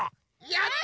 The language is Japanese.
やった！